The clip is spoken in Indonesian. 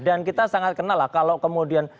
dan kita sangat kenal lah kalau kemudian